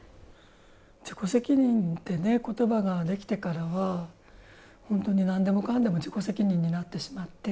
自己責任って言葉ができてからは本当に何でもかんでも自己責任になってしまって。